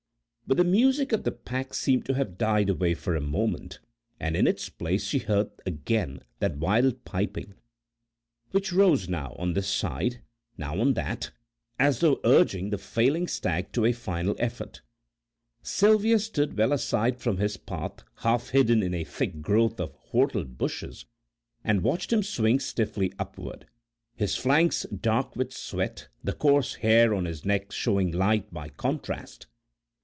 But the music of the pack seemed to have died away for a moment, and in its place she heard again that wild piping, which rose now on this side, now on that, as though urging the failing stag to a final effort. Sylvia stood well aside from his path, half hidden in a thick growth of whortle bushes, and watched him swing stiffly upward, his flanks dark with sweat, the coarse hair on his neck showing light by contrast.